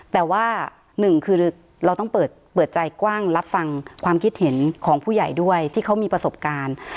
แต่ว่าหนึ่งคือเราต้องเปิดใจกว้างรับฟังความคิดเห็นของผู้ใหญ่ด้วยที่เขามีประสบการณ์